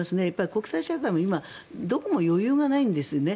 国際社会も今、どこも余裕がないんですよね。